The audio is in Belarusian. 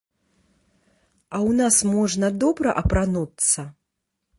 А ў нас можна добра апрануцца?